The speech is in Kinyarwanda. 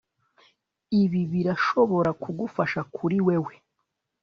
Ibi birashobora kugufasha kuri wewe